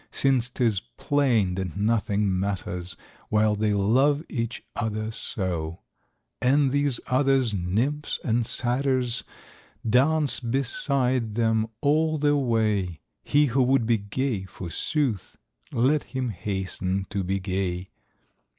Since 'tis plain that nothing matters While they love each other so ; And these others, nymphs and satyrs, Dance beside them all the way : He who would be gay, forsooth, Let him hasten to be gay.